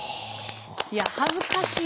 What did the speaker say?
いや恥ずかしいな。